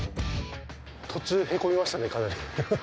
途中へこみましたね、かなり。